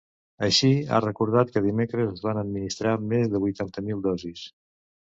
Així, ha recordat que dimecres es van administrar més de vuitanta mil dosis.